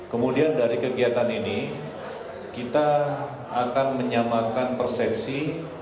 kemudian dari kegiatan ini kita akan menyamakan persepsi